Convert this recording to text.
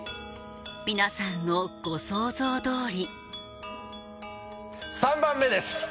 皆さんのご想像どおり３番目です！